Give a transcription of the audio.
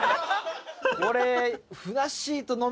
俺。